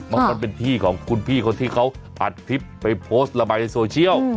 มันเป็นที่ของคุณพี่คนที่เขาอัดคลิปไปโพสต์ระบายในโซเชียล